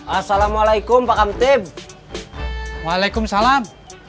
assalamualaikum pak hamtip waalaikumsalam